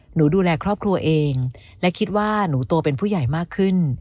ดูแลครอบครัวเองและคิดว่าหนูโตเป็นผู้ใหญ่มากขึ้น